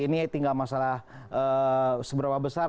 ini tinggal masalah seberapa besar